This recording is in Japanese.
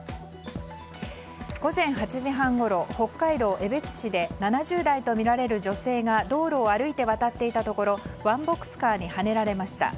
午前８時半ごろ、北海道江別市で７０代とみられる女性が道路を歩いて渡っていたところワンボックスカーにはねられました。